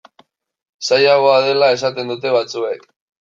Zailagoa dela esaten dute batzuek.